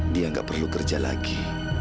dia nggak perlu kerja lagi